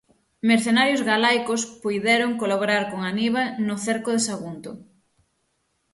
Mercenarios galaicos puideron colaborar con Haníbal no cerco de Sagunto.